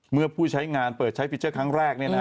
เมื่อผู้ใช้งานเปิดใช้ฟิเจอร์ครั้งแรก